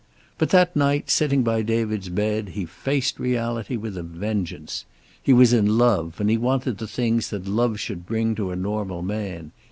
But that night, sitting by David's bed, he faced reality with a vengeance. He was in love, and he wanted the things that love should bring to a normal man.